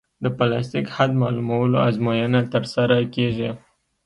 د پلاستیک حد معلومولو ازموینه ترسره کیږي